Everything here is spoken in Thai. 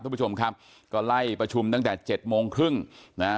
ทุกผู้ชมครับก็ไล่ประชุมตั้งแต่เจ็ดโมงครึ่งนะฮะ